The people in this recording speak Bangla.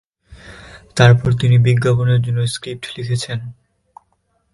তারপরে তিনি বিজ্ঞাপনের জন্য স্ক্রিপ্ট লিখেছিলেন।